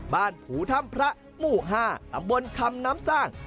ผูถ้ำพระหมู่๕ตำบลคำน้ำสร้าง